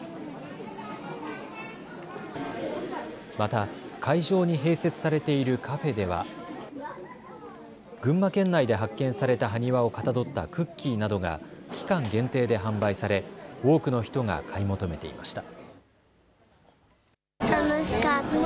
また会場に併設されているカフェでは群馬県内で発見された埴輪をかたどったクッキーなどが期間限定で販売され多くの人が買い求めていました。